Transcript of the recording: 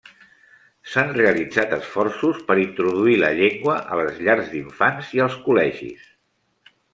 S'han realitzat esforços per introduir la llengua a les llars d'infants i als col·legis.